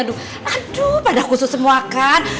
aduh pada khusus semua kan